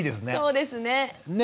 そうですね。ね？